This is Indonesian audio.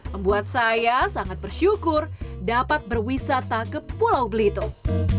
membuat saya sangat bersyukur dapat berwisata ke pulau belitung